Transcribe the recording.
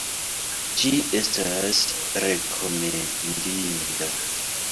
Ĝi estas rekomendinda.